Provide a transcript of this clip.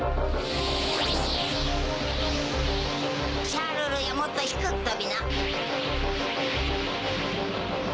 シャルルやもっと低く飛びな。